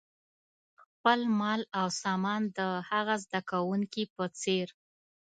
خپل مال او سامان د هغه زده کوونکي په څېر.